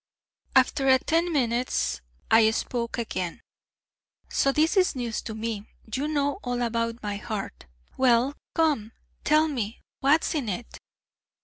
After a ten minutes I spoke again: 'So this is news to me: you know all about my heart. Well, come, tell me what is in it!'